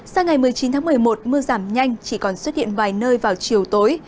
sang ngày một mươi chín tháng một mươi một mưa giảm nhanh chỉ còn xuất hiện vài nơi vào chiều tối